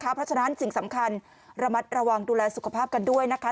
เพราะฉะนั้นสิ่งสำคัญระมัดระวังดูแลสุขภาพกันด้วยนะคะ